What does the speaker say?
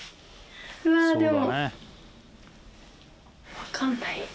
うわでも。